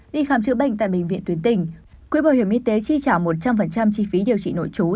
đi khám chữa bệnh tại bệnh viện tuyến tỉnh quỹ bảo hiểm y tế chi trả một trăm linh chi phí điều trị nội trú